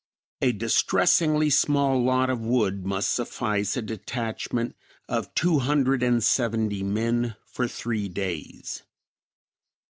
A distressingly small lot of wood must suffice a detachment of two hundred and seventy men for three days.